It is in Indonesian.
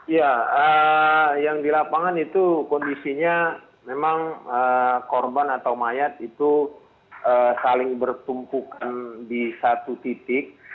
ya yang di lapangan itu kondisinya memang korban atau mayat itu saling bertumpukan di satu titik